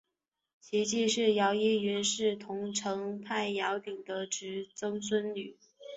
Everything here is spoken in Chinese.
其继室姚倚云是桐城派姚鼐的侄曾孙女。